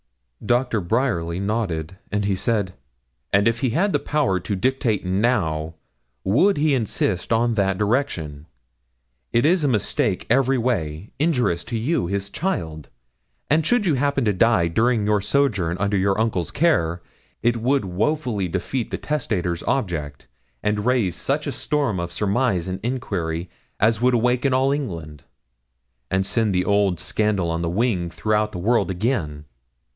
Doctor Bryerly nodded, and he said 'And if he had the power to dictate now, would he insist on that direction? It is a mistake every way, injurious to you, his child; and should you happen to die during your sojourn under your uncle's care, it would woefully defeat the testator's object, and raise such a storm of surmise and inquiry as would awaken all England, and send the old scandal on the wing through the world again.'